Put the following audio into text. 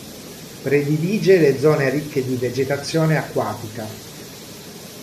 Predilige le zone ricche di vegetazione acquatica.